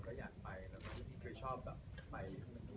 ทำไมว่าแบบมีความรักษาใต้อะไรอย่างนี้